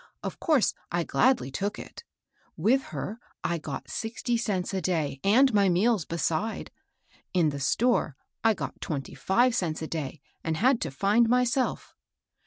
Of course I gladly took it. With her I got BERTHA GILES. 47 sixty cents a day, and my meals besides ; in the store I got twenty five cents a day, and had to find myself.